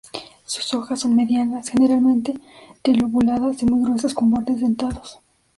Sus hojas son medianas, generalmente trilobuladas y muy gruesas con bordes dentados.